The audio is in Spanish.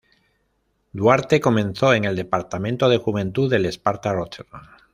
Duarte comenzó en el departamento de juventud del Sparta Rotterdam.